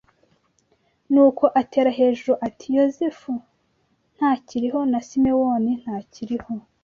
Nuko atera hejuru ati Yozefu ntakiriho na Simewoni ntakiriho